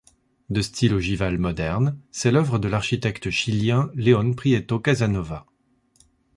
De style ogival moderne, c'est l'œuvre de l'architecte chilien León Prieto Casanova.